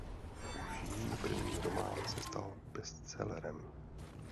Už její první román se stal bestsellerem.